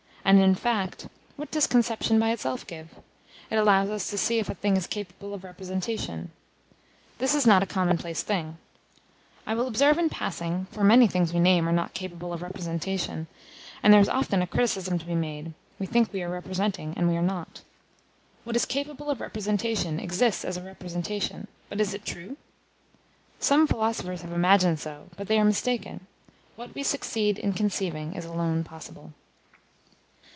And, in fact, what does conception by itself give? It allows us to see if a thing is capable of representation. This is not a common place thing, I will observe in passing; for many things we name are not capable of representation, and there is often a criticism to be made; we think we are representing, and we are not. What is capable of representation exists as a representation, but is it true? Some philosophers have imagined so, but they are mistaken; what we succeed in conceiving is alone possible.